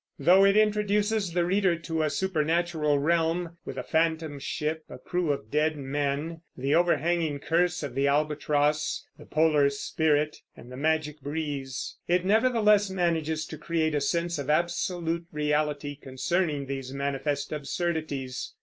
Though it introduces the reader to a supernatural realm, with a phantom ship, a crew of dead men, the overhanging curse of the albatross, the polar spirit, and the magic breeze, it nevertheless manages to create a sense of absolute reality concerning these manifest absurdities.